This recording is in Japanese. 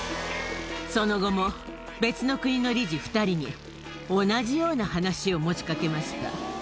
その後も、別の国の理事２人に、同じような話を持ちかけました。